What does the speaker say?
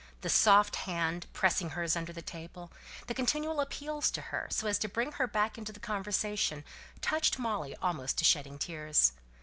The soft hand, pressing hers under the table, the continual appeals to her, so as to bring her back into the conversation, touched Molly almost to shedding tears.